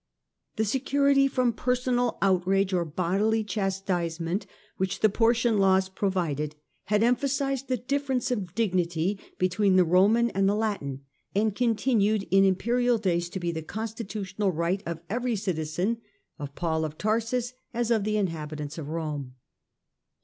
The security from personal outrage or bodily chas tisement which the Porcian laws provided had empha 4. immu sized the difference of dignity between the pSonaT Roman and the Latin, and continued in im vijience. perial days to be the constitutional right of every citizen, of Paul of Tarsus as of the inhabitants of Rome.